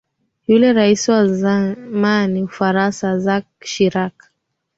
yule rais wa zamani ufaransa zack shirack